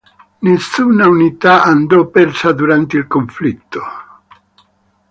Nessuna unità andò persa durante il conflitto.